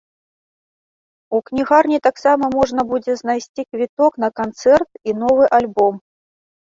У кнігарні таксама можна будзе знайсці квіток на канцэрт і новы альбом.